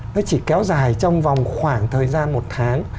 nó chỉ kéo dài trong vòng khoảng thời gian một tháng